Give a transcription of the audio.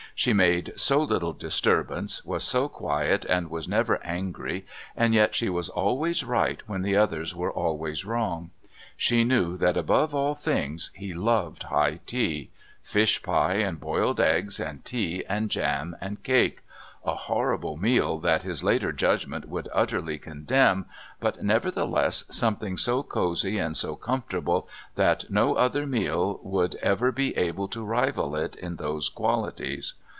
She made so little disturbance, was so quiet and was never angry, and yet she was always right when the others were always wrong. She knew that above all things he loved high tea fish pie and boiled eggs and tea and jam and cake a horrible meal that his later judgment would utterly condemn, but nevertheless something so cosy and so comfortable that no later meal would ever be able to rival it in those qualities.